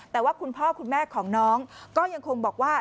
แต่ว่าคุณพ่อคุณแม่ของน้องก็ยังคงบอกว่า